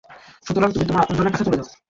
সুতরাং তুমি তোমার আপনজনদের কাছে চলে যাও।